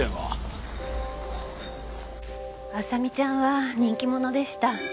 亜沙美ちゃんは人気者でした。